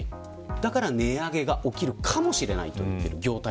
だから値上げが起きるかもしれないと言っている。